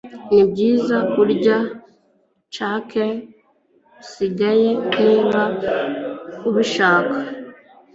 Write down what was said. Nibyiza kurya cake isigaye niba ubishaka.